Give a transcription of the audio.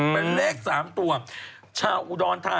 ปลาหมึกแท้เต่าทองอร่อยทั้งชนิดเส้นบดเต็มตัว